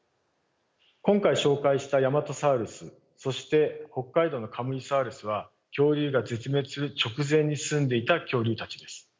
今回紹介したヤマトサウルスそして北海道のカムイサウルスは恐竜が絶滅する直前に棲んでいた恐竜たちです。